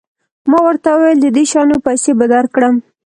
ما ورته وویل د دې شیانو پیسې به درکړم.